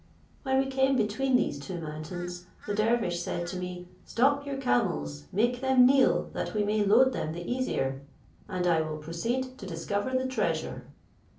When we came between these two mountains, the dervish said to me, "Stop your camels, make them kneel that we may load them the easier, and I will proceed to discover the treasure."